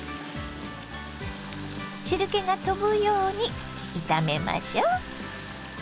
汁けが飛ぶように炒めましょ。